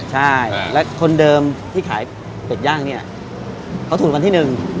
ใช่และคนเดิมที่ขายเป็ดย่างเนี่ยเขาถูกวันที่หนึ่ง